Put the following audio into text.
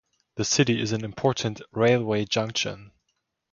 The city is an important railway junction.